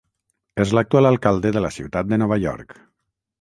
És l'actual alcalde de la ciutat de Nova York.